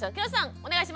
お願いします。